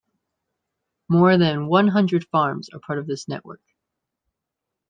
More than one hundred farms are part of this network.